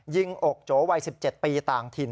ยิงอกโจ๊ะวัย๑๗ปีต่างถิ่น